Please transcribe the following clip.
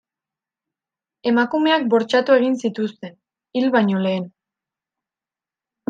Emakumeak bortxatu egin zituzten, hil baino lehen.